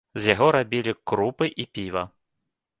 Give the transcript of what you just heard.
З яго рабілі крупы і піва.